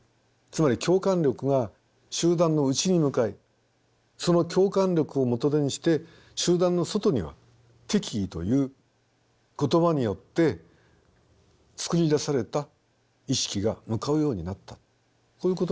つまり共感力は集団の内に向かいその共感力を元手にして集団の外には敵意という言葉によって作り出された意識が向かうようになったこういうことだと思うんですね。